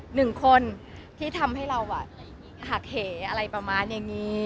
หนึ่งคนที่ทำให้เราหักเหอะไรประมาณอย่างนี้